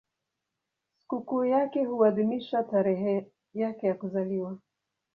Sikukuu yake huadhimishwa tarehe yake ya kuzaliwa.